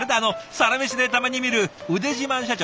「サラメシ」でたまに見る腕自慢社長。